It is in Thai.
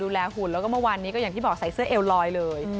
หุ่นแล้วก็เมื่อวานนี้ก็อย่างที่บอกใส่เสื้อเอลลอยเลย